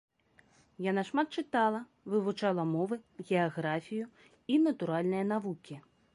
Яна шмат чытала, вывучала мовы, геаграфію і натуральныя навукі.